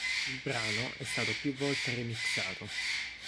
Il brano è stato più volte remixato.